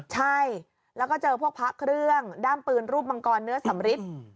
ใช่แล้วก็เจอพวกพระเครื่องด้ามปืนรูปมังกรเนื้อสำริท